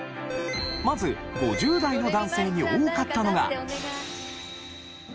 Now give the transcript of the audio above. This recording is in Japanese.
まず５０代の男性に多かったのが。